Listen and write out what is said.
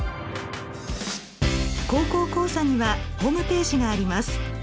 「高校講座」にはホームページがあります。